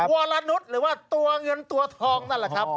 วรนุษย์หรือว่าตัวเงินตัวทองนั่นแหละครับ